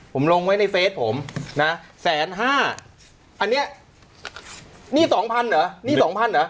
ผมลงไว้ในเฟสผมนะแสนห้าอันเนี้ยนี่สองพันเหรอนี่สองพันเหรอ